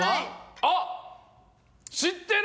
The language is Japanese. あっ知ってる！